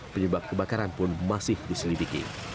penyebab kebakaran pun masih diselidiki